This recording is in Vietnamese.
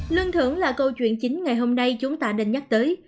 lương thưởng là câu chuyện chính ngày hôm nay chúng ta đừng nhắc tới